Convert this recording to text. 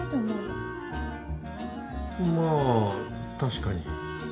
まあ確かに。